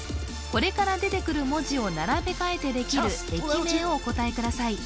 これから出てくる文字を並べ替えて出来る駅名をお答えください